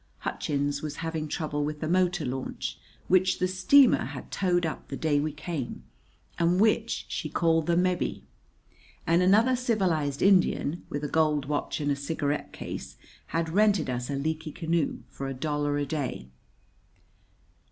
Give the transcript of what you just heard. Hutchins was having trouble with the motor launch, which the steamer had towed up the day we came, and which she called the "Mebbe." And another civilized Indian, with a gold watch and a cigarette case, had rented us a leaky canoe for a dollar a day.